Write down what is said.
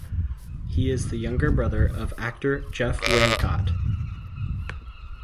He is the younger brother of actor Jeff Wincott.